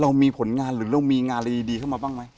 เรามีผลงานหรือเรามีงานอะไรดีเข้ามาบ้างไหม